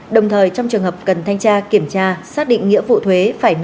đồng thời trong trường hợp cần thanh tra kiểm tra xác định nghĩa vụ thuế phải nộp